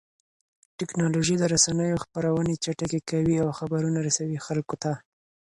ټکنالوژي د رسنيو خپرونې چټکې کوي او خبرونه رسوي خلکو ته.